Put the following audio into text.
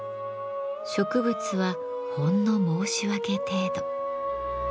植物はほんの申し訳程度。